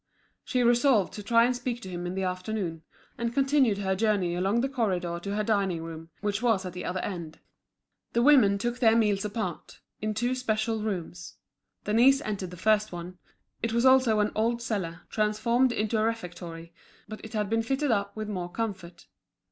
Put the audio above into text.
She resolved to try and speak to him in the afternoon, and continued her journey along the corridor to her dining room, which was at the other end. The women took their meals apart, in two special rooms. Denise entered the first one. It was also an old cellar, transformed into a refectory; but it had been fitted up with more comfort.